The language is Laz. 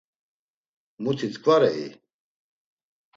Muti tǩvarei?